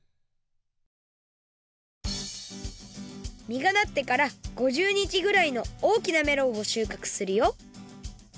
みがなってから５０にちぐらいのおおきなメロンを収穫するよ